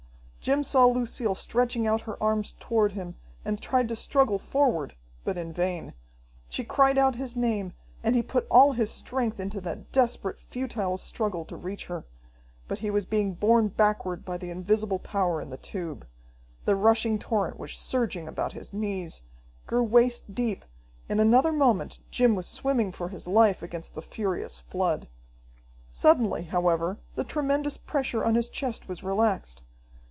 Jim saw Lucille stretching out her arms toward him, and tried to struggle forward, but in vain. She cried out his name, and he put all his strength into that desperate futile struggle to reach her. But he was being borne backward by the invisible power in the tube. The rushing torrent was surging about his knees; grew waist deep: in another moment Jim was swimming for his life against the furious flood. Suddenly, however, the tremendous pressure on his chest was relaxed.